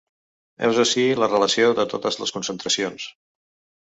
Heus ací la relació de totes les concentracions.